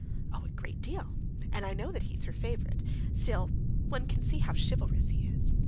"Oh, a great deal! And I know that he's her favorite; still one can see how chivalrous he is....